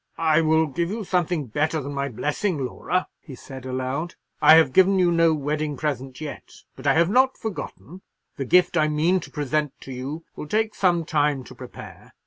"I will give you something better than my blessing, Laura," he said aloud; "I have given you no wedding present yet, but I have not forgotten. The gift I mean to present to you will take some time to prepare.